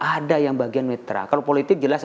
ada yang bagian mitra kalau politik jelas